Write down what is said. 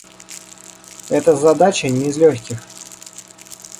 Это задача не из легких.